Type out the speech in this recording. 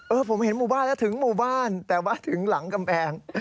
ผมเห็นหมู่บ้านแล้วถึงหมู่บ้านแต่ว่าถึงหลังกำแพง